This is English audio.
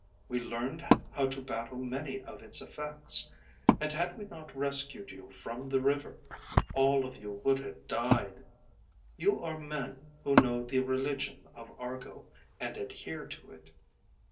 We learned how to battle many of its effects, and had we not rescued you from the river, all of you would have died. You are men who know the religion of Argo, and adhere to it.